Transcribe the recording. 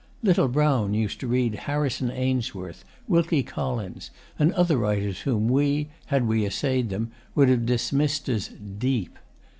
Little Brown used to read Harrison Ainsworth, Wilkie Collins, and other writers whom we, had we assayed them, would have dismissed as 'deep.